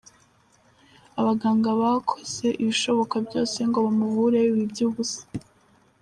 Abaganga bakoze ibishoboka byose ngo bamuvure biba iby’ubusa.